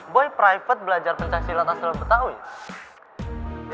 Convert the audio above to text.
boy private belajar pencaksilat asal bertahunya